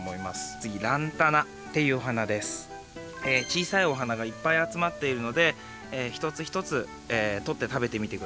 ちいさいお花がいっぱいあつまっているのでひとつひとつとって食べてみてください。